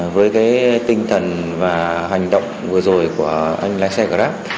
với cái tinh thần và hành động vừa rồi của anh lái xe grab